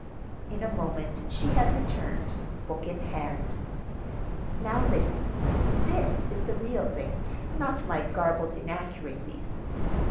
In a moment she had returned, book in hand. "Now listen. This is the real thing not my garbled inaccuracies.